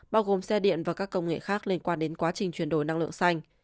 bao gồm xe điện và các công nghệ khác liên quan đến quá trình chuyển đổi năng lượng xanh